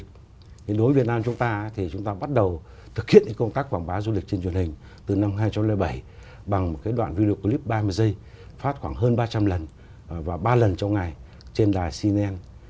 đối với việt nam chúng ta thì chúng ta bắt đầu thực hiện công tác quảng bá du lịch trên truyền hình từ năm hai nghìn bảy bằng một cái đoạn video clip ba mươi giây phát khoảng hơn ba trăm linh lần và ba lần trong ngày trên đài cnn